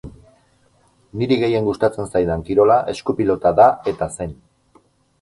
Niri gehien gustatzen zaidan kirola esku-pilota da eta zen.